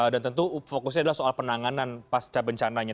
dan tentu fokusnya adalah soal penanganan pasca bencananya